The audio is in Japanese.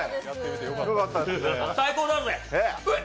最高だぜ。